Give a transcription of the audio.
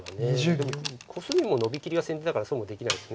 でもコスミもノビきりが先手だからそうもできないです